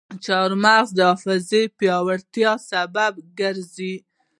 چارمغز د حافظې د پیاوړتیا سبب ګرځي.